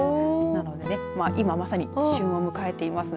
なのでね、今まさに旬を迎えています。